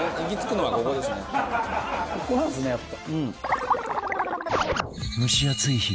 ここなんですねやっぱ。